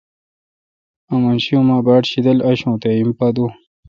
آمن شی اوما باڑ شیدل آشوں تے ہیم پا دوں